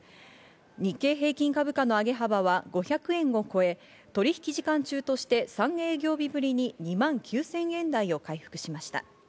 日経平均株価の上げ幅は５００円を超え、取引時間中として３営業日ぶりに２万９０００円台を回復しました。